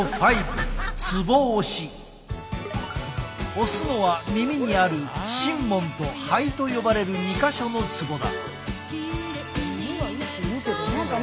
押すのは耳にある神門と肺と呼ばれる２か所のツボだ。